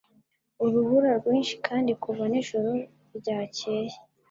Urubura rwinshi kandi kuva nijoro ryakeye.